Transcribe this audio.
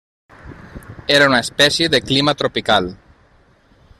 Era una espècie de clima tropical.